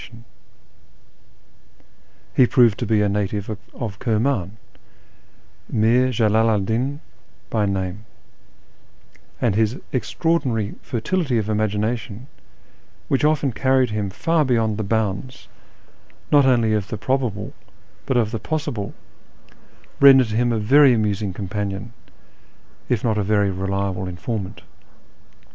i FROM THE PERSIAN FRONTIER TO TABRIZ 51 He proved to be a native of Kirman, Mir Jalalu 'cl Din by name ; and liis extraordinary fertility of imagination, which often carried him far beyond the bounds, not only of the jDrobable, but of the possible, rendered him a very amusing companion, if not a very reliable informant.